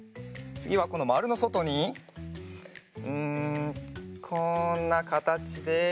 つぎはこのまるのそとにうんこんなかたちで。